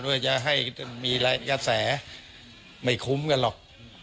เพื่อจะให้มีกระแสไม่คุ้มกันหรอก